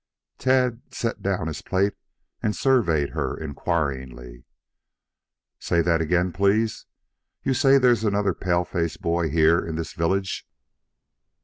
Tad set down his plate and surveyed her inquiringly. "Say that again, please. You say there's another paleface boy here in this village?"